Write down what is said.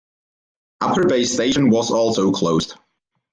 Upper Bay station was also closed.